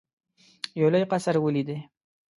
یو لوی قصر ولیدی.